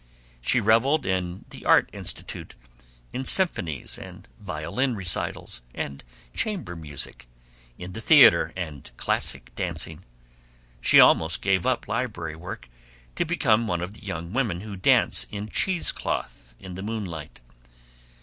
She reveled in the Art Institute, in symphonies and violin recitals and chamber music, in the theater and classic dancing. She almost gave up library work to become one of the young women who dance in cheese cloth in the moonlight.